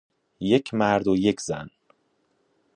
یک مرد و یک زن